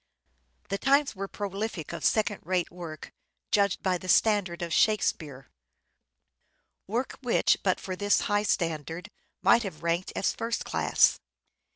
The times were prolific of second rate work, judged by the standard of Shakespeare ; work which, but for this high standard, might have ranked as first class.